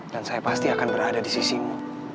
dan saya pasti akan berada di sisimu